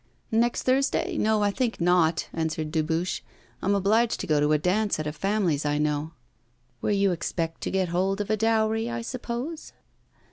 'Next Thursday? No, I think not,' answered Dubuche. 'I am obliged to go to a dance at a family's I know.' 'Where you expect to get hold of a dowry, I suppose?